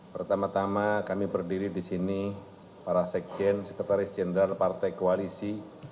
pertama tama kami berdiri di sini para sekjen sekretaris jenderal partai koalisi